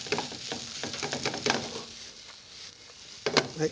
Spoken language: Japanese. はい。